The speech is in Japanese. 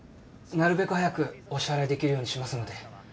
なるべく早くお支払いできるようにしますので。